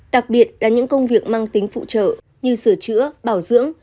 đặc biệt là những công việc mang tính phụ trợ như sửa chữa bảo dưỡng